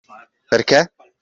Perché?